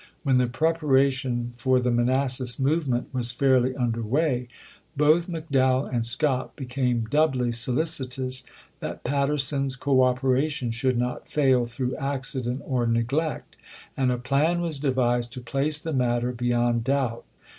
When the preparation for the Manassas movement was fairly under way, both McDowell and Scott became doubly solicitous that Patterson's cooperation should not fail through accident or neglect, and a plan was devised to place the matter beyond doubt.